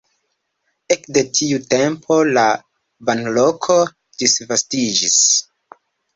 Ekde tiu tempo la banloko disvastiĝis.